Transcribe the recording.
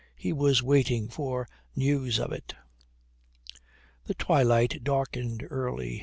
He was waiting for news of it. The twilight darkened early. Mr.